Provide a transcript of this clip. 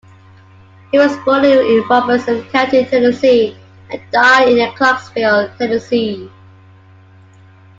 He was born in Robertson County, Tennessee, and died in Clarksville, Tennessee.